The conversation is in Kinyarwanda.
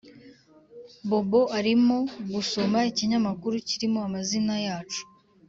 bobo arimo gusoma ikinyamakuru kirimo amazina yacu